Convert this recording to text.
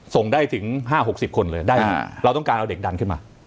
ส่งได้ถึง๕๖๐คนเลยเราต้องการเอาเด็กดันขึ้นมา